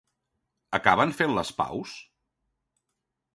Acaben fent les paus?